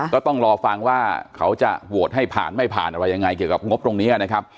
ก็ต้องรอฟังว่าเขาจะโหวตให้ผ่านไม่ผ่านอะไรยังไงเกี่ยวกับงบตรงนี้นะครับ